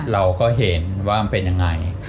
เราก็เห็นว่ามันเป็นยังไง